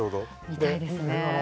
みたいですね。